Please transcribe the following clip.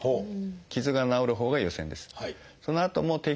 傷が治るほうが優先です。